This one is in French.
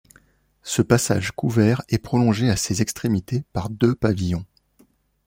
Ce passage couvert est prolongé à ses extrémités par deux pavillons.